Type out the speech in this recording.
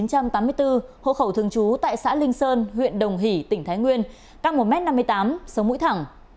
hậu khẩu thường trú tại xã linh sơn huyện đồng hỷ tỉnh thái nguyên càng một m năm mươi tám sông mũi thẳng